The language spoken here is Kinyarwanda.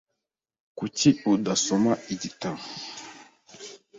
Kuki udasoma igitabo?